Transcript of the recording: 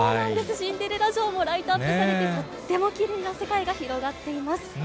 シンデレラ城もライトアップされて、とってもきれいな世界が広がっています。